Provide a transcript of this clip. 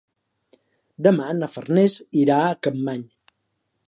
Demà na Farners irà a Capmany.